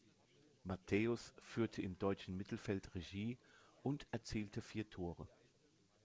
Matthäus führte im deutschen Mittelfeld Regie und erzielte vier Tore.